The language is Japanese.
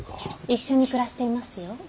一緒に暮らしていますよ。